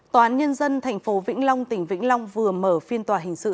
tòa án nhân dân tp vĩnh long tỉnh vĩnh long vừa mở phiên tòa hình sự